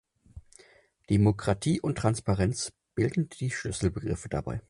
Demokratie und Transparenz bilden die Schlüsselbegriffe dabei.